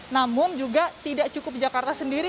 namun juga tidak cukup jakarta sendiri